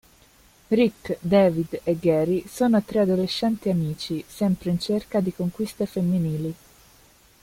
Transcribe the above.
Rick, David e Gary sono tre adolescenti amici sempre in cerca di conquiste femminili.